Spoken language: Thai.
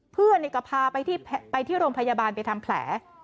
เพื่อนก็พาไปที่โรงพยาบาลไปทำแผล